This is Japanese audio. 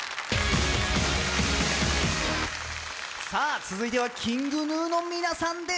続いてはＫｉｎｇＧｎｕの皆さんです。